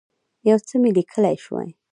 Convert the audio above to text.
یو څه مي لیکلای شوای.